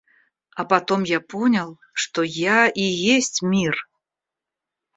А потом я понял, что я и есть мир.